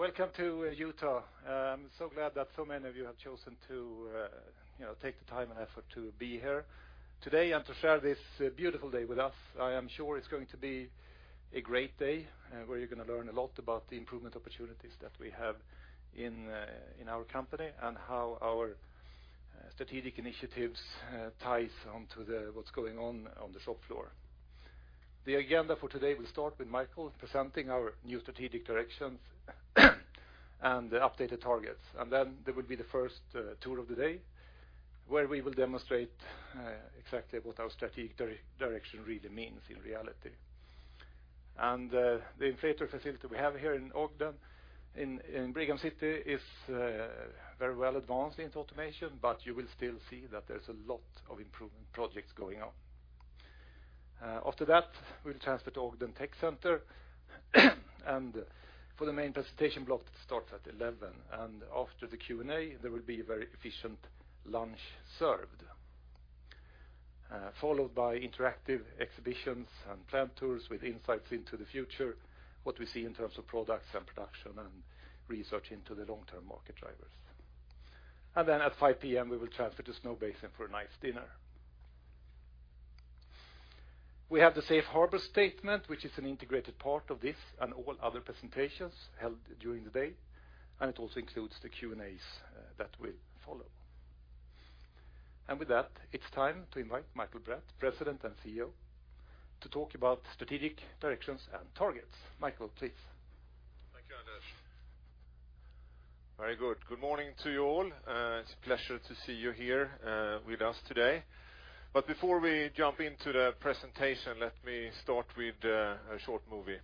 Welcome to Utah. I'm so glad that so many of you have chosen to take the time and effort to be here today and to share this beautiful day with us. I am sure it's going to be a great day, where you're going to learn a lot about the improvement opportunities that we have in our company and how our strategic initiatives ties onto what's going on the shop floor. The agenda for today, we start with Mikael presenting our new strategic directions and the updated targets, and then there will be the first tour of the day, where we will demonstrate exactly what our strategic direction really means in reality. The inflator facility we have here in Ogden in Brigham City is very well advanced into automation, but you will still see that there's a lot of improvement projects going on. After that, we will transfer to Ogden Tech Center for the main presentation block that starts at 11:00 A.M. After the Q&A, there will be a very efficient lunch served, followed by interactive exhibitions and plant tours with insights into the future, what we see in terms of products and production, and research into the long-term market drivers. At 5:00 P.M., we will transfer to Snowbasin for a nice dinner. We have the safe harbor statement, which is an integrated part of this and all other presentations held during the day, and it also includes the Q&As that will follow. With that, it is time to invite Mikael Bratt, President and CEO, to talk about strategic directions and targets. Mikael, please. Thank you, Anders. Very good. Good morning to you all. It's a pleasure to see you here with us today. Before we jump into the presentation, let me start with a short movie.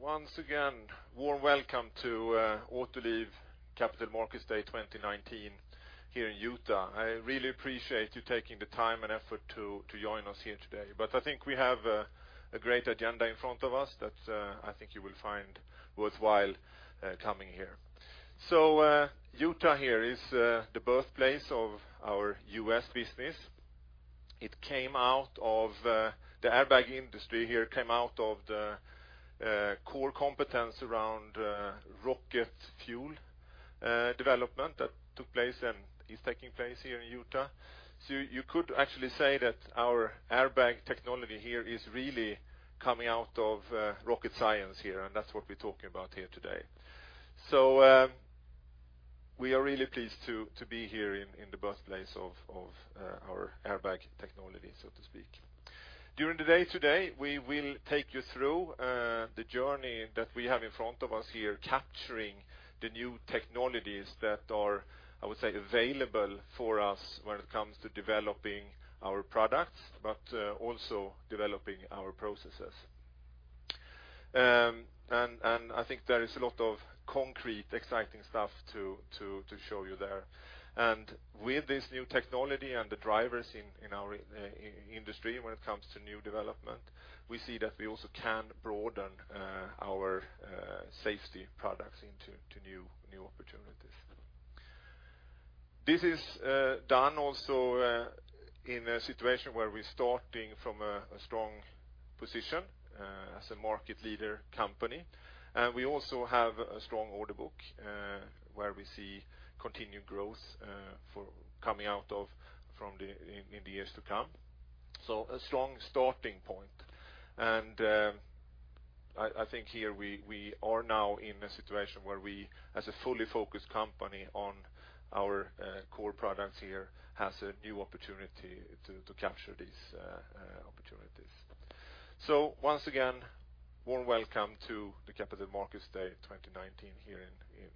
Once again, warm welcome to Autoliv Capital Markets Day 2019 here in Utah. I really appreciate you taking the time and effort to join us here today. I think we have a great agenda in front of us that I think you will find worthwhile coming here. Utah here is the birthplace of our U.S. business. The airbag industry here came out of the core competence around rocket fuel development that took place and is taking place here in Utah. You could actually say that our airbag technology here is really coming out of rocket science here, and that's what we're talking about here today. We are really pleased to be here in the birthplace of our airbag technology, so to speak. During the day today, we will take you through the journey that we have in front of us here, capturing the new technologies that are, I would say, available for us when it comes to developing our products, but also developing our processes. I think there is a lot of concrete, exciting stuff to show you there. With this new technology and the drivers in our industry when it comes to new development, we see that we also can broaden our safety products into new opportunities. This is done also in a situation where we're starting from a strong position as a market leader company. We also have a strong order book where we see continued growth coming out of in the years to come. A strong starting point. I think here we are now in a situation where we, as a fully focused company on our core products here, have a new opportunity to capture these opportunities. Once again, warm welcome to the Capital Markets Day 2019 here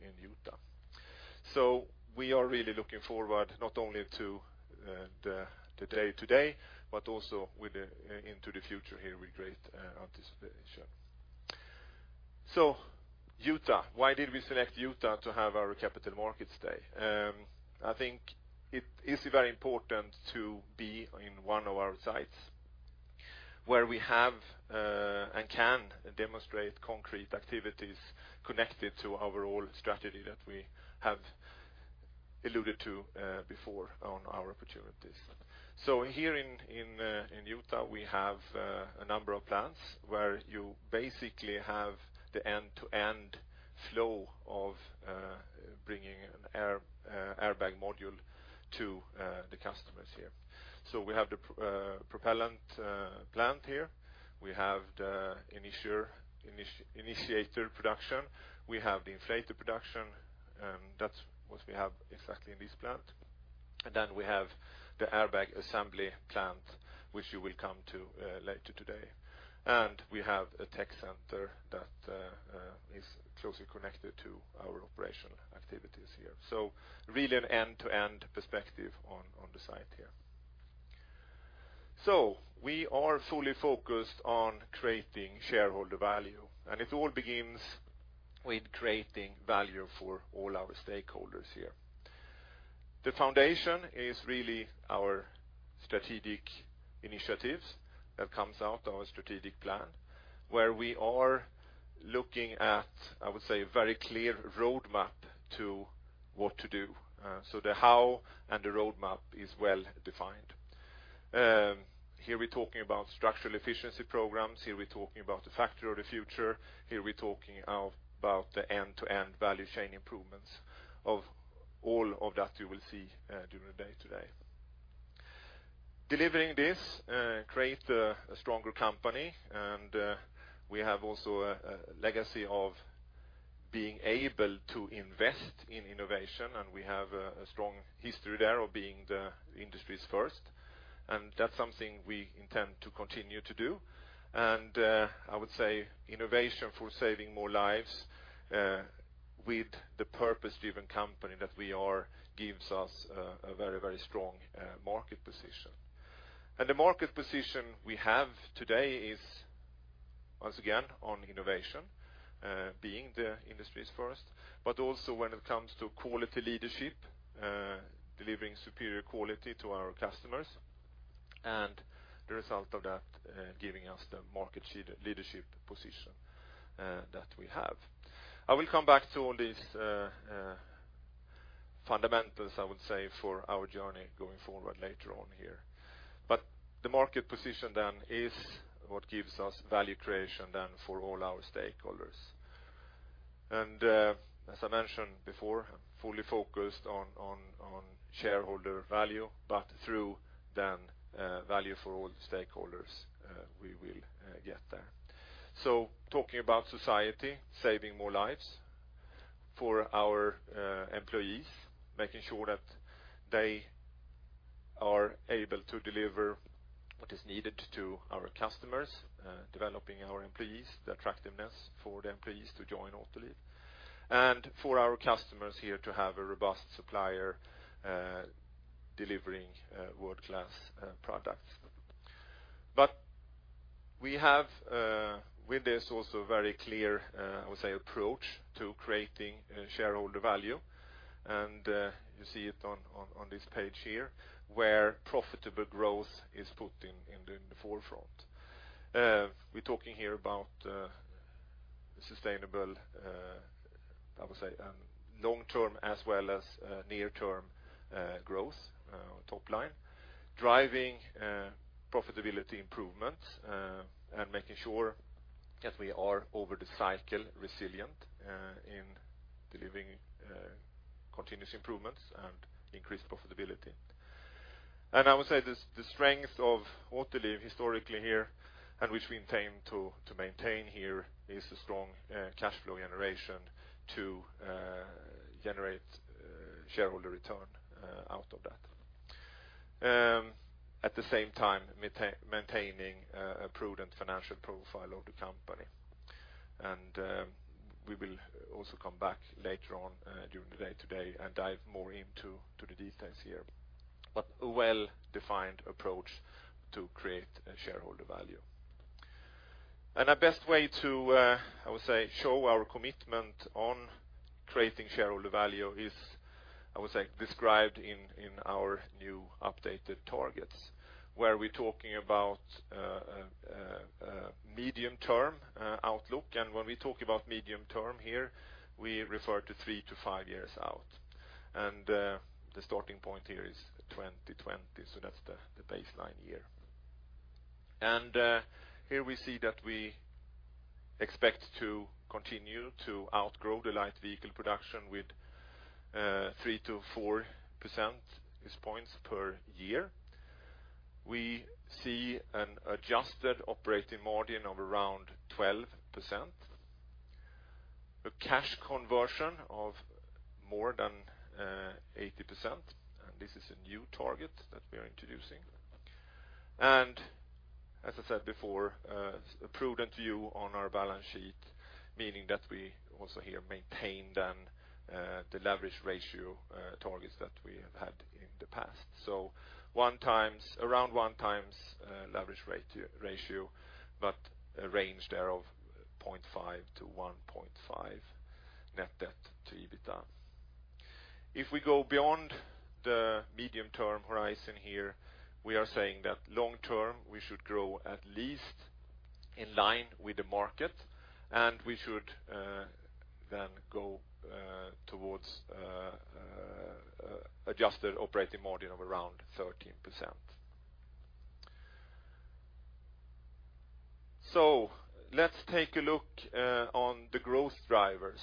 in Utah. We are really looking forward not only to the day today, but also into the future here with great anticipation. Utah, why did we select Utah to have our Capital Markets Day? I think it is very important to be in one of our sites where we have and can demonstrate concrete activities connected to our overall strategy that we have alluded to before on our opportunities. Here in Utah, we have a number of plants where you basically have the end-to-end flow of bringing an airbag module to the customers here. We have the propellant plant here. We have the initiator production. We have the inflator production. That's what we have exactly in this plant. Then we have the airbag assembly plant, which you will come to later today. We have a tech center that is closely connected to our operational activities here. Really an end-to-end perspective on the site here. We are fully focused on creating shareholder value, and it all begins with creating value for all our stakeholders here. The foundation is really our strategic initiatives that comes out of our strategic plan, where we are looking at, I would say, a very clear roadmap to what to do. The how and the roadmap is well defined. Here we're talking about structural efficiency programs. Here we're talking about the Factory of the Future. Here we're talking about the end-to-end value chain improvements of all of that you will see during the day today. Delivering this creates a stronger company. We have also a legacy of being able to invest in innovation. We have a strong history there of being the industry's first. That's something we intend to continue to do. I would say innovation for saving more lives with the purpose-driven company that we are gives us a very strong market position. The market position we have today is, once again, on innovation, being the industry's first, but also when it comes to quality leadership, delivering superior quality to our customers, and the result of that giving us the market leadership position that we have. I will come back to all these fundamentals, I would say, for our journey going forward later on here. The market position then is what gives us value creation then for all our stakeholders. As I mentioned before, fully focused on shareholder value, but through then value for all the stakeholders we will get there. Talking about society, saving more lives for our employees, making sure that they are able to deliver what is needed to our customers, developing our employees, the attractiveness for the employees to join Autoliv, and for our customers here to have a robust supplier delivering world-class products. We have with this also very clear, I would say, approach to creating shareholder value. You see it on this page here, where profitable growth is put in the forefront. We're talking here about sustainable, I would say, long-term as well as near-term growth top line, driving profitability improvements, and making sure that we are over the cycle resilient in delivering continuous improvements and increased profitability. I would say the strength of Autoliv historically here, and which we intend to maintain here is a strong cash flow generation to generate shareholder return out of that. At the same time, maintaining a prudent financial profile of the company. We will also come back later on during the day today and dive more into the details here. But a well-defined approach to create shareholder value. The best way to, I would say, show our commitment on creating shareholder value is, I would say, described in our new updated targets, where we're talking about medium term outlook. When we talk about medium term here, we refer to 3-5 years out. The starting point here is 2020. That's the baseline year. Here we see that we expect to continue to outgrow the light vehicle production with 3%-4% percentage points per year. We see an adjusted operating margin of around 12%, a cash conversion of more than 80%, and this is a new target that we are introducing. As I said before, a prudent view on our balance sheet, meaning that we also here maintain then the leverage ratio targets that we have had in the past. Around one times leverage ratio, but a range there of 0.5-1.5 net debt to EBITDA. If we go beyond the medium-term horizon here, we are saying that long-term, we should grow at least in line with the market, and we should then go towards adjusted operating margin of around 13%. Let's take a look on the growth drivers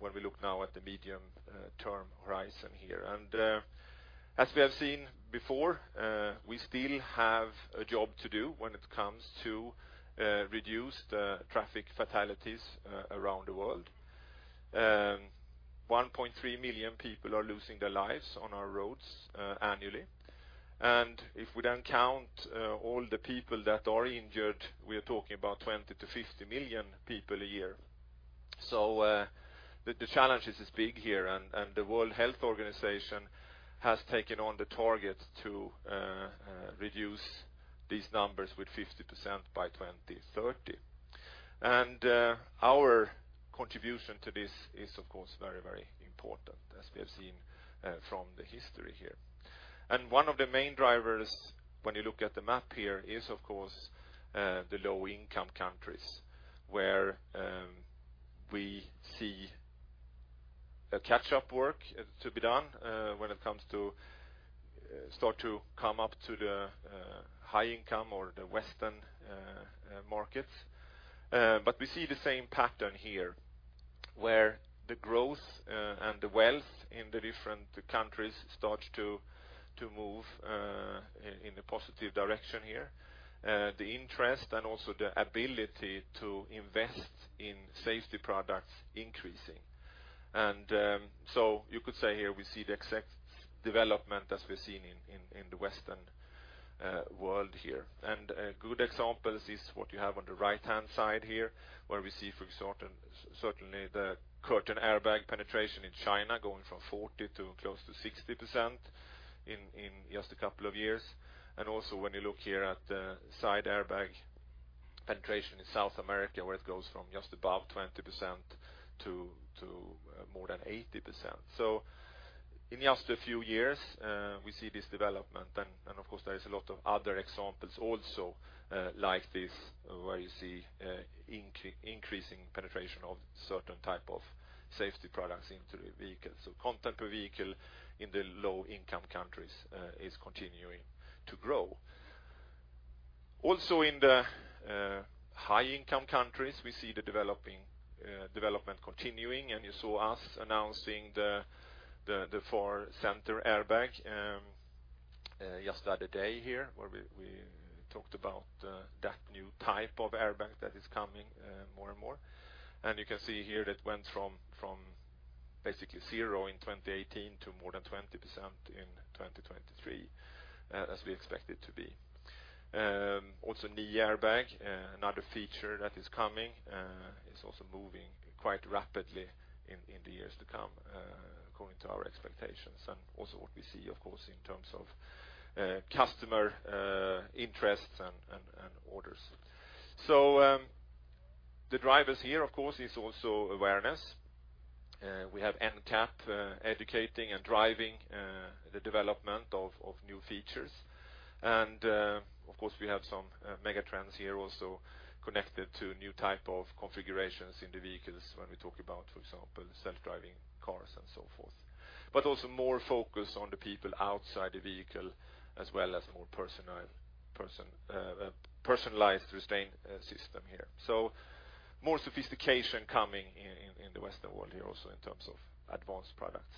when we look now at the medium-term horizon here. As we have seen before, we still have a job to do when it comes to reduce the traffic fatalities around the world. 1.3 million people are losing their lives on our roads annually. If we then count all the people that are injured, we're talking about 20 million-50 million people a year. The challenge is big here, and the World Health Organization has taken on the target to reduce these numbers with 50% by 2030. Our contribution to this is of course, very, very important as we have seen from the history here. One of the main drivers when you look at the map here is, of course, the low-income countries, where we see a catch-up work to be done when it comes to start to come up to the high income or the Western markets. We see the same pattern here, where the growth and the wealth in the different countries start to move in a positive direction here. The interest and also the ability to invest in safety products increasing. You could say here we see the exact development as we're seeing in the Western world here. A good example is what you have on the right-hand side here, where we see for certainly the curtain airbag penetration in China going from 40 to close to 60% in just a couple of years. Also when you look here at the side airbag penetration in South America, where it goes from just above 20% to more than 80%. In just a few years, we see this development, and of course there is a lot of other examples also like this, where you see increasing penetration of certain type of safety products into the vehicle. Content per vehicle in the low-income countries is continuing to grow. Also in the high-income countries, we see the development continuing, and you saw us announcing the Front Center Airbag just the other day here, where we talked about that new type of airbag that is coming more and more. You can see here that went from basically zero in 2018 to more than 20% in 2023, as we expect it to be. Also knee airbag, another feature that is coming, is also moving quite rapidly in the years to come according to our expectations and also what we see, of course, in terms of customer interests and orders. The drivers here, of course, is also awareness. We have NCAP educating and driving the development of new features. Of course, we have some mega trends here also connected to new type of configurations in the vehicles when we talk about, for example, self-driving cars and so forth. Also more focus on the people outside the vehicle as well as more personalized restraint system here. More sophistication coming in the Western world here also in terms of advanced products.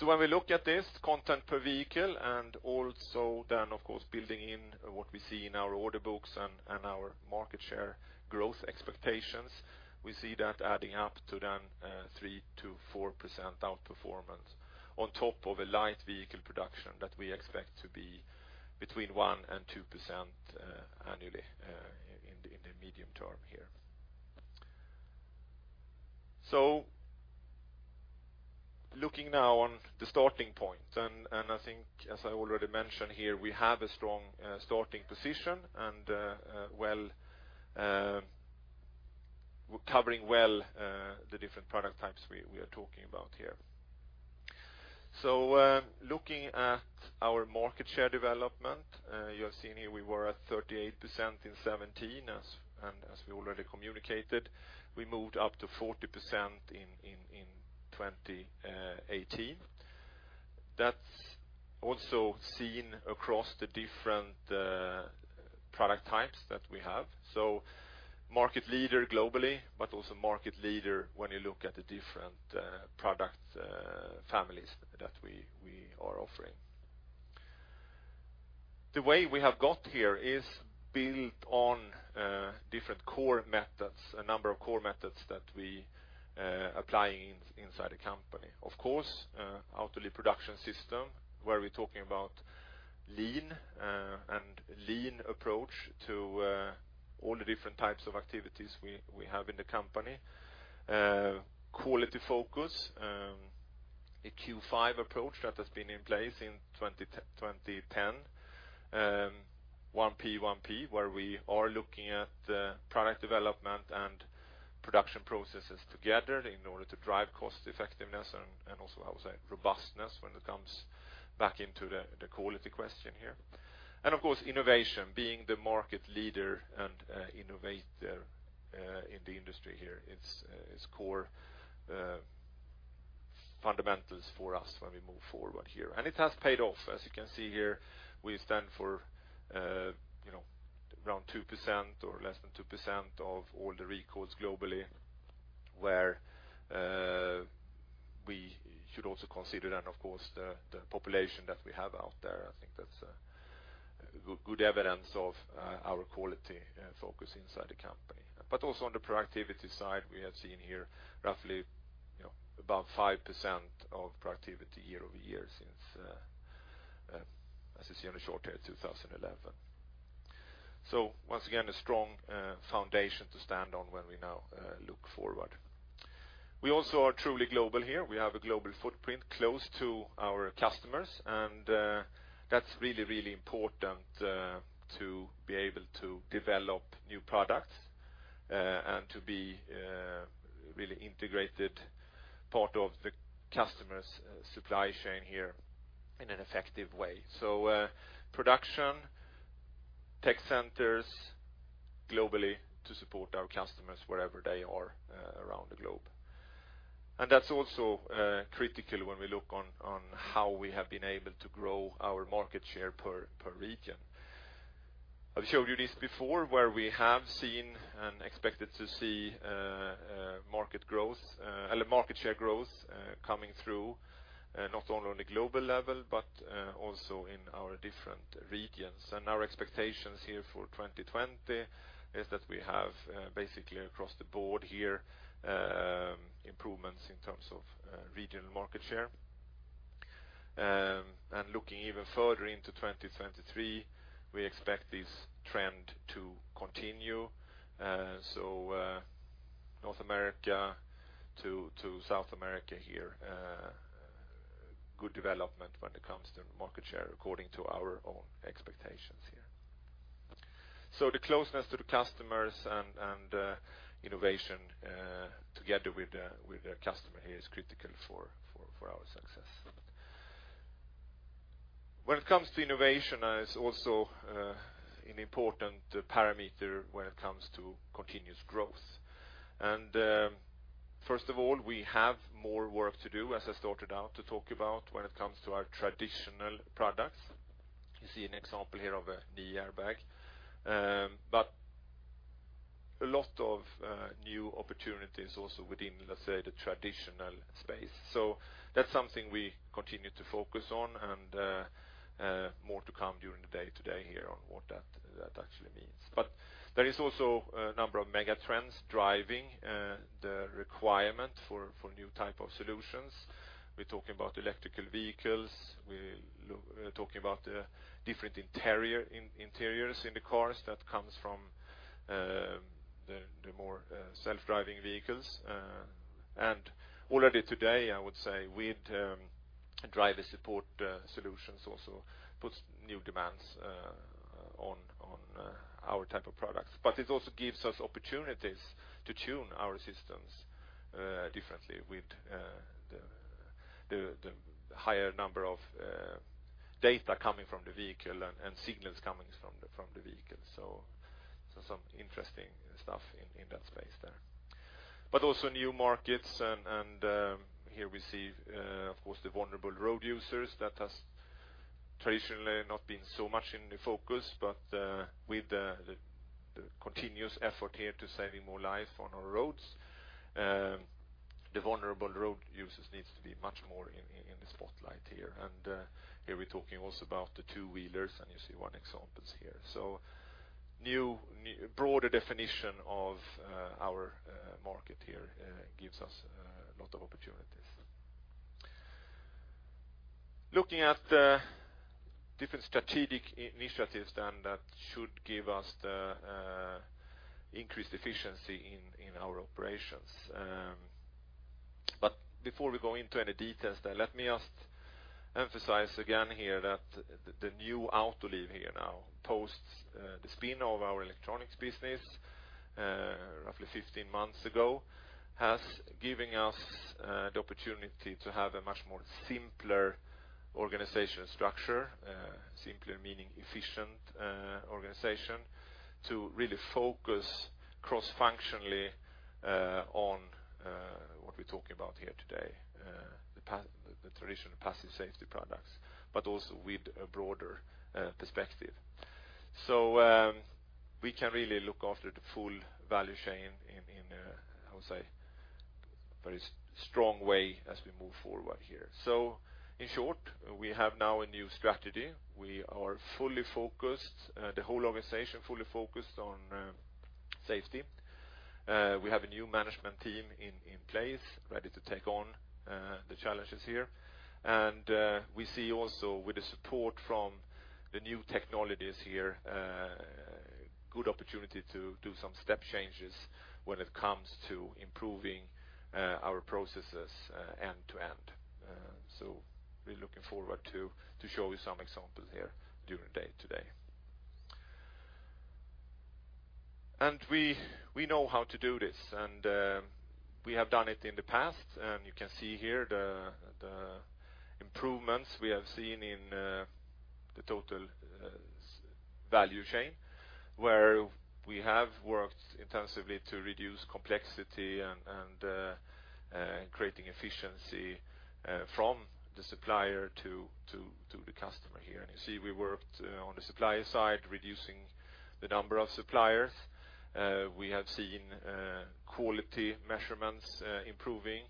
When we look at this content per vehicle and also then of course building in what we see in our order books and our market share growth expectations, we see that adding up to then 3%-4% outperformance on top of a light vehicle production that we expect to be between 1% and 2% annually in the medium term here. Looking now on the starting point, and I think as I already mentioned here, we have a strong starting position and covering well the different product types we are talking about here. Looking at our market share development, you have seen here we were at 38% in 2017, and as we already communicated, we moved up to 40% in 2018. That's also seen across the different product types that we have. Market leader globally, but also market leader when you look at the different product families that we are offering. The way we have got here is built on different core methods, a number of core methods that we apply inside the company. Of course, Autoliv Production System, where we're talking about Lean and lean approach to all the different types of activities we have in the company. Quality focus, a Q5 approach that has been in place in 2010. 1P1P, where we are looking at product development and production processes together in order to drive cost effectiveness and also, I would say, robustness when it comes back into the quality question here. Of course, innovation, being the market leader and innovator in the industry here. It's core fundamentals for us when we move forward here. It has paid off. As you can see here, we stand for around 2% or less than 2% of all the recalls globally, where we should also consider then, of course, the population that we have out there. I think that's good evidence of our quality focus inside the company. Also on the productivity side, we have seen here roughly about 5% of productivity year-over-year since, as you see on the short here, 2011. Once again, a strong foundation to stand on when we now look forward. We also are truly global here. We have a global footprint close to our customers, and that's really important to be able to develop new products and to be a really integrated part of the customer's supply chain here in an effective way. Production, tech centers globally to support our customers wherever they are around the globe. That's also critical when we look on how we have been able to grow our market share per region. I've showed you this before, where we have seen and expected to see market share growth coming through, not only on the global level, but also in our different regions. Our expectations here for 2020 is that we have basically across the board here improvements in terms of regional market share. Looking even further into 2023, we expect this trend to continue. North America to South America here good development when it comes to market share according to our own expectations here. The closeness to the customers and innovation together with the customer here is critical for our success. When it comes to innovation, it's also an important parameter when it comes to continuous growth. First of all, we have more work to do, as I started out to talk about when it comes to our traditional products. You see an example here of the airbag. A lot of new opportunities also within, let's say, the traditional space. That's something we continue to focus on and more to come during the day today here on what that actually means. There is also a number of mega trends driving the requirement for new type of solutions. We're talking about electrical vehicles. We're talking about different interiors in the cars that comes from the more self-driving vehicles. Already today, I would say, with driver support solutions also puts new demands on our type of products. It also gives us opportunities to tune our systems differently with the higher number of data coming from the vehicle and signals coming from the vehicle. Some interesting stuff in that space there. Also new markets, and here we see, of course, the vulnerable road users that has traditionally not been so much in the focus, but with the continuous effort here to saving more lives on our roads the vulnerable road users needs to be much more in the spotlight here. Here we're talking also about the two-wheelers, and you see one examples here. New, broader definition of our market here gives us a lot of opportunities. Looking at the different strategic initiatives then that should give us the increased efficiency in our operations. Before we go into any details there, let me just emphasize again here that the new Autoliv here now, post the spin of our electronics business roughly 15 months ago, has given us the opportunity to have a much more simpler organization structure, simpler, meaning efficient organization, to really focus cross-functionally on what we're talking about here today the traditional passive safety products, but also with a broader perspective. We can really look after the full value chain in a, how to say, very strong way as we move forward here. In short, we have now a new strategy. We are fully focused, the whole organization fully focused on safety. We have a new management team in place ready to take on the challenges here. We see also with the support from the new technologies here, good opportunity to do some step changes when it comes to improving our processes end to end. We're looking forward to show you some examples here during the day today. We know how to do this, we have done it in the past, you can see here the improvements we have seen in the total value chain, where we have worked intensively to reduce complexity and creating efficiency from the supplier to the customer here. You see we worked on the supplier side, reducing the number of suppliers. We have seen quality measurements improving.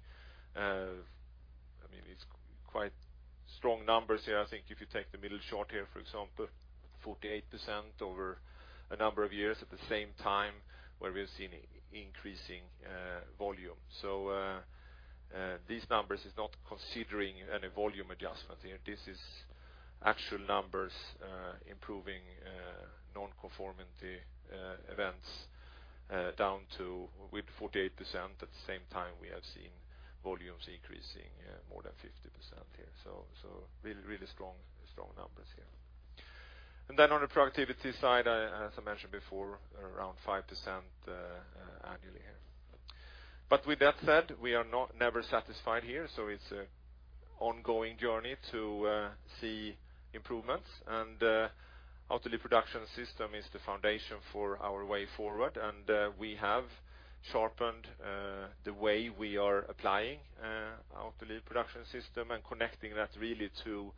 It's quite strong numbers here. I think if you take the middle chart here, for example, 48% over a number of years, at the same time where we have seen increasing volume. These numbers is not considering any volume adjustment here. This is actual numbers, improving non-conformity events down to with 48%. At the same time, we have seen volumes increasing more than 50% here. Really strong numbers here. On the productivity side, as I mentioned before, around 5% annually here. With that said, we are never satisfied here, so it's a ongoing journey to see improvements. Autoliv Production System is the foundation for our way forward. We have sharpened the way we are applying Autoliv Production System and connecting that really to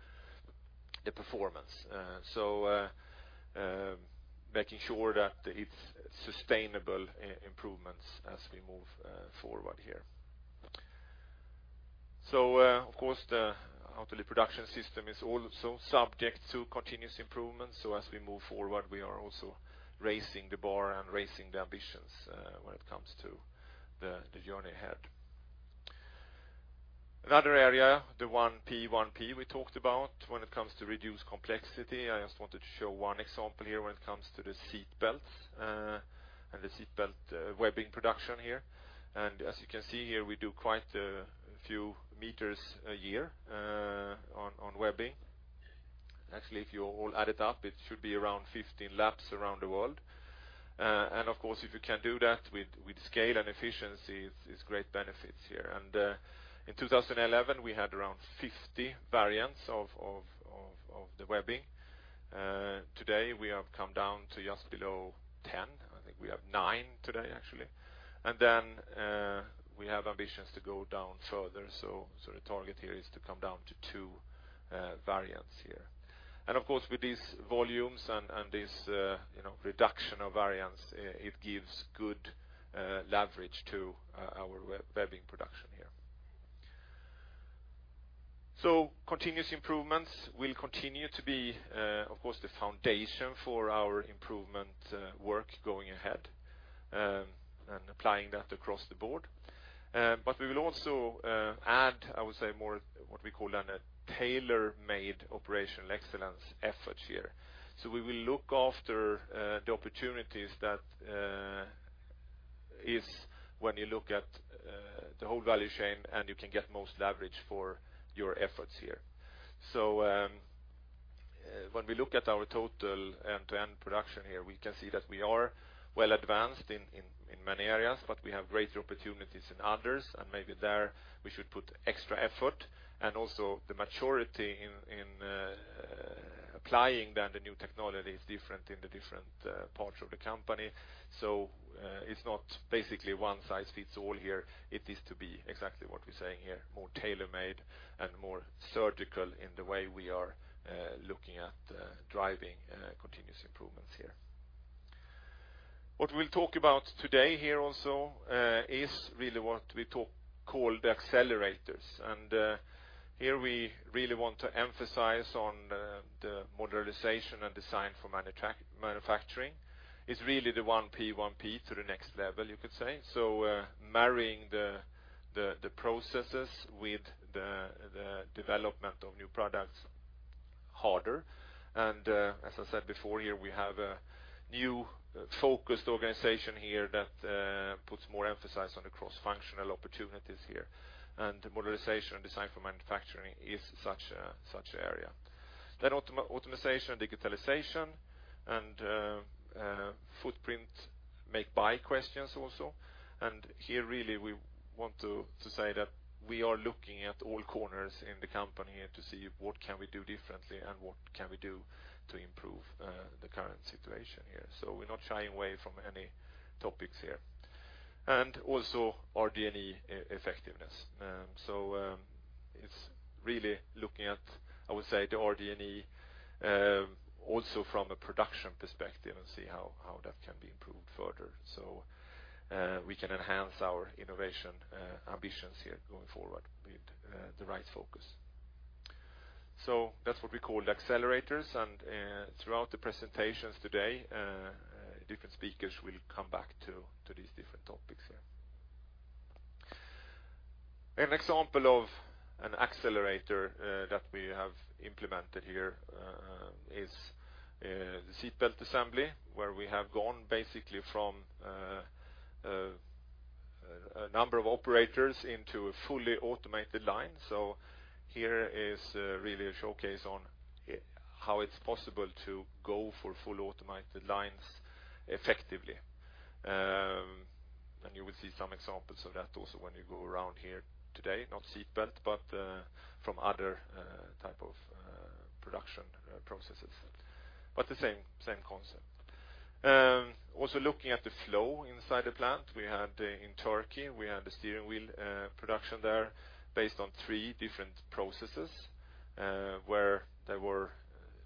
the performance. Making sure that it's sustainable improvements as we move forward here. Of course, the Autoliv Production System is also subject to continuous improvements. As we move forward, we are also raising the bar and raising the ambitions when it comes to the journey ahead. Another area, the 1P1P we talked about when it comes to reduced complexity. I just wanted to show one example here when it comes to the seat belts, and the seat belt webbing production here. As you can see here, we do quite a few meters a year on webbing. Actually, if you all add it up, it should be around 15 laps around the world. Of course, if you can do that with scale and efficiency, it's great benefits here. In 2011, we had around 50 variants of the webbing. Today, we have come down to just below 10. I think we have nine today, actually. We have ambitions to go down further. The target here is to come down to two variants here. Of course, with these volumes and this reduction of variants, it gives good leverage to our webbing production here. Continuous improvements will continue to be, of course, the foundation for our improvement work going ahead, and applying that across the board. We will also add, I would say, more what we call a tailor-made operational excellence effort here. We will look after the opportunities that is when you look at the whole value chain, and you can get most leverage for your efforts here. When we look at our total end-to-end production here, we can see that we are well advanced in many areas, but we have greater opportunities in others, and maybe there we should put extra effort. Also the maturity in applying the new technology is different in the different parts of the company. It's not basically one size fits all here. It is to be exactly what we're saying here, more tailor-made and more surgical in the way we are looking at driving continuous improvements here. What we'll talk about today here also is really what we call the accelerators. Here we really want to emphasize on the modularization and design for manufacturing. It's really the 1P1P to the next level, you could say. Marrying the processes with the development of new products harder. As I said before here, we have a new focused organization here that puts more emphasis on the cross-functional opportunities here. The modularization and design for manufacturing is such area. Optimization and digitalization and footprint make/buy questions also. Here, really, we want to say that we are looking at all corners in the company to see what can we do differently and what can we do to improve the current situation here. We're not shying away from any topics here. Also RD&E effectiveness. It's really looking at, I would say, the RD&E also from a production perspective and see how that can be improved further. We can enhance our innovation ambitions here going forward with the right focus. That's what we call accelerators. Throughout the presentations today, different speakers will come back to these different topics here. An example of an accelerator that we have implemented here is the seatbelt assembly, where we have gone basically from a number of operators into a fully automated line. Here is really a showcase on how it's possible to go for fully automated lines effectively. You will see some examples of that also when you go around here today. Not seatbelt, but from other type of production processes, but the same concept. Looking at the flow inside the plant, in Turkey, we had the steering wheel production there based on three different processes, where there were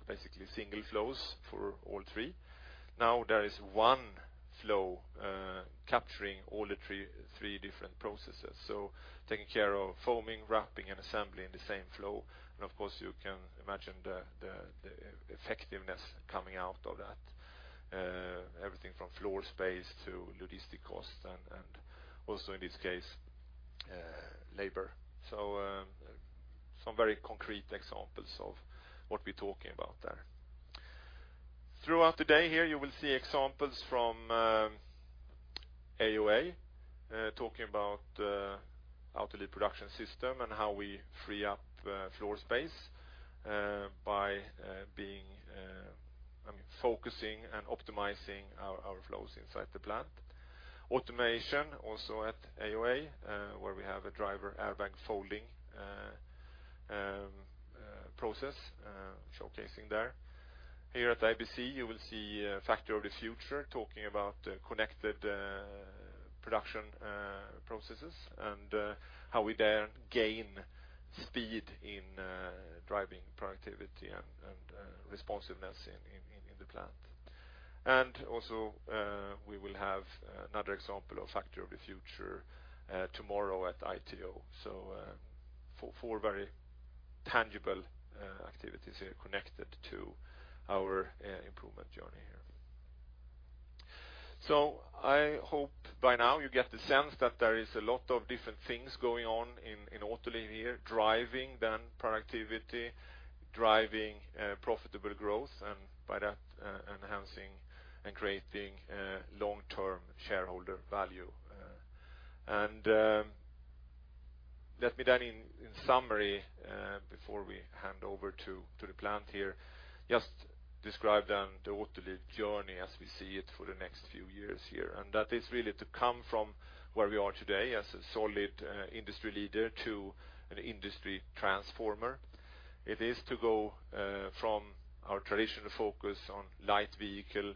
basically single flows for all three. Now there is one flow capturing all the three different processes. Taking care of foaming, wrapping, and assembly in the same flow. Of course, you can imagine the effectiveness coming out of that. Everything from floor space to logistic cost, and also, in this case, labor. Some very concrete examples of what we're talking about there. Throughout the day here, you will see examples from AOA, talking about Autoliv Production System and how we free up floor space by focusing and optimizing our flows inside the plant. Automation, also at AOA, where we have a driver airbag folding process showcasing there. Here at IBC, you will see Factory of the Future talking about connected production processes and how we then gain speed in driving productivity and responsiveness in the plant. Also, we will have another example of Factory of the Future tomorrow at ITO. Four very tangible activities here connected to our improvement journey here. I hope by now you get the sense that there is a lot of different things going on in Autoliv here, driving then productivity, driving profitable growth, and by that, enhancing and creating long-term shareholder value. Let me then in summary, before we hand over to the plant here, just describe then the Autoliv journey as we see it for the next few years here. That is really to come from where we are today as a solid industry leader to an industry transformer. It is to go from our traditional focus on light vehicle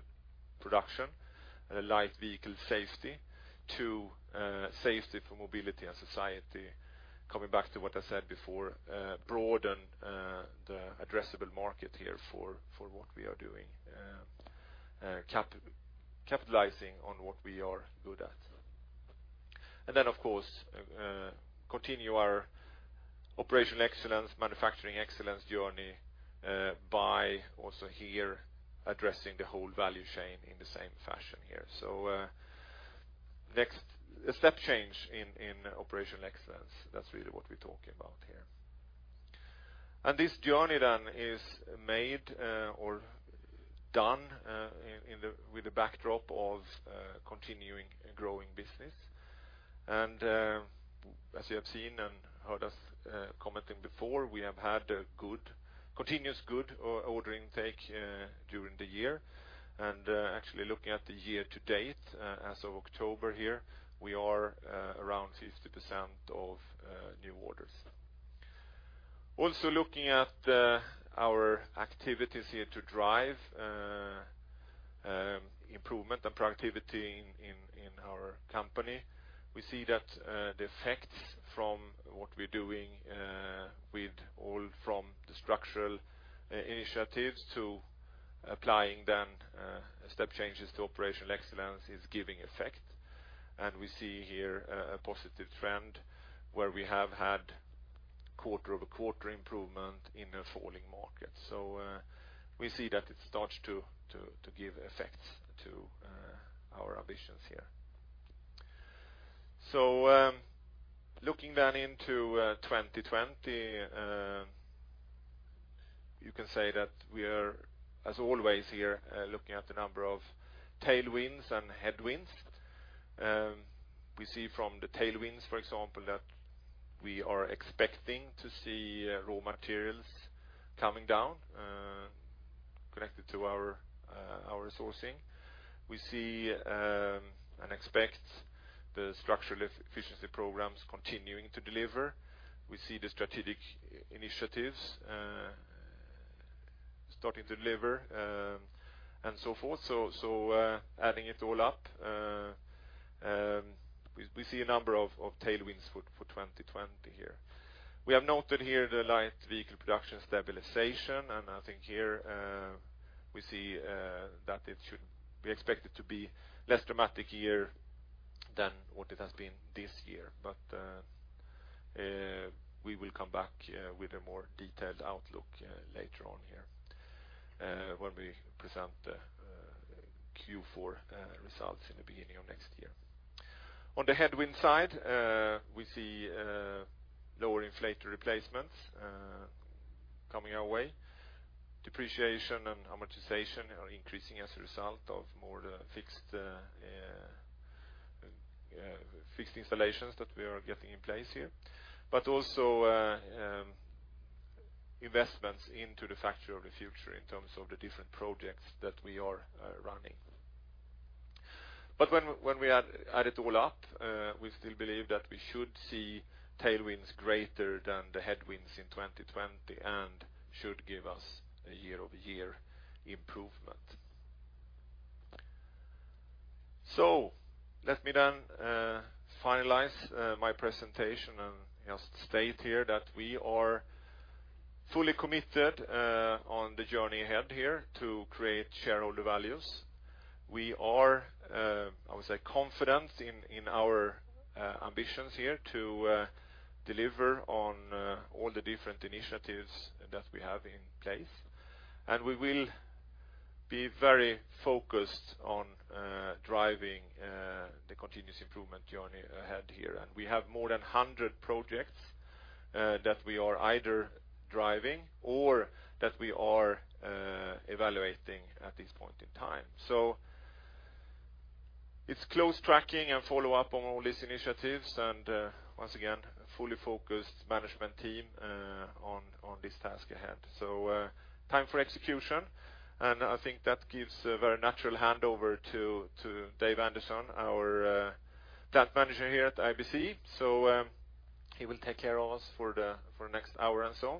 production, light vehicle safety, to safety for mobility and society. Coming back to what I said before, broaden the addressable market here for what we are doing, capitalizing on what we are good at. Of course, continue our operational excellence, manufacturing excellence journey by also here addressing the whole value chain in the same fashion here. A step change in operational excellence, that's really what we're talking about here. This journey then is made or done with the backdrop of continuing growing business. As you have seen and heard us commenting before, we have had continuous good ordering take during the year. Actually looking at the year to date as of October here, we are around 50% of new orders. Also looking at our activities here to drive improvement and productivity in our company. We see that the effects from what we're doing with all from the structural initiatives to applying then step changes to operational excellence is giving effect. We see here a positive trend where we have had quarter-over-quarter improvement in a falling market. We see that it starts to give effects to our ambitions here. Looking then into 2020, you can say that we are, as always here, looking at the number of tailwinds and headwinds. We see from the tailwinds, for example, that we are expecting to see raw materials coming down, connected to our sourcing. We see and expect the structural efficiency programs continuing to deliver. We see the strategic initiatives starting to deliver and so forth. Adding it all up, we see a number of tailwinds for 2020 here. We have noted here the light vehicle production stabilization, and I think here we see that it should be expected to be less dramatic here than what it has been this year. We will come back with a more detailed outlook later on here, when we present the Q4 results in the beginning of next year. On the headwind side, we see lower inflator replacements coming our way. Depreciation and amortization are increasing as a result of more of the fixed installations that we are getting in place here, also investments into the Factory of the Future in terms of the different projects that we are running. When we add it all up, we still believe that we should see tailwinds greater than the headwinds in 2020, and should give us a year-over-year improvement. Let me finalize my presentation and just state here that we are fully committed on the journey ahead here to create shareholder values. We are, I would say, confident in our ambitions here to deliver on all the different initiatives that we have in place, we will be very focused on driving the continuous improvement journey ahead here. We have more than 100 projects that we are either driving or that we are evaluating at this point in time. It's close tracking and follow up on all these initiatives, and once again, a fully focused management team on this task ahead. Time for execution, and I think that gives a very natural handover to Dave Anderson, our Plant Manager here at IBC. He will take care of us for the next hour or so.